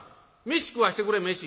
飯食わしてくれ飯」。